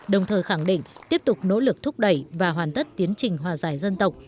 đồng thời khẳng định tiếp tục nỗ lực thúc đẩy và hoàn tất tiến trình hòa giải dân tộc